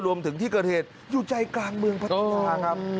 รวมถึงที่เกิดเหตุอยู่ใจกลางเมืองพัทยาครับ